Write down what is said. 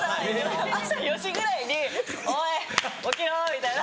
朝朝４時ぐらいに「おい起きろ」みたいな。